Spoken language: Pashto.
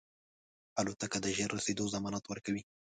الوتکه د ژر رسېدو ضمانت ورکوي.